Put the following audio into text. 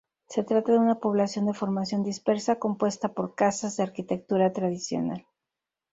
Se trata de una población de formación dispersa compuesta por casas de arquitectura tradicional.